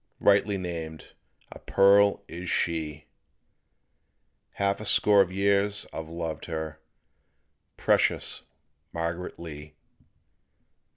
Rightly named a pearl is she; Half a score of years I've loved her Precious Margaret Lee.